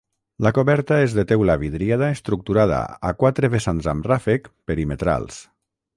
La coberta és de teula vidriada estructurada a quatre vessants amb ràfec perimetrals.